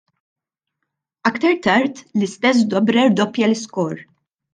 Aktar tard l-istess Dobre rdoppja l-iskor.